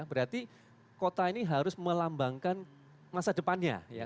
berarti kota ini harus melambangkan masa depannya